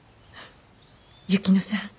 雪乃さん